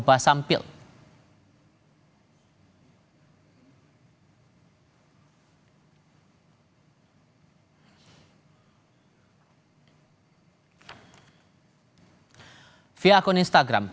via akun instagram presiden fifa gianni infantino menunjukkan pertandingan